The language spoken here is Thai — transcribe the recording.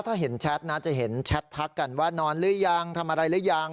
ถ้าเห็นแชทนะจะเห็นแชททักกันว่านอนหรือยังทำอะไรหรือยัง